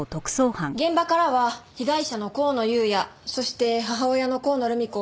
現場からは被害者の香野裕哉そして母親の香野留美子